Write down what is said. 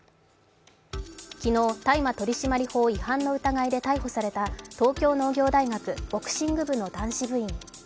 昨日、大麻取締法違反の疑いで逮捕された東京農業大学ボクシング部の男子部員。